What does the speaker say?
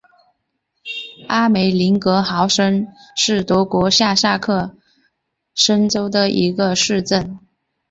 阿梅林格豪森是德国下萨克森州的一个市镇。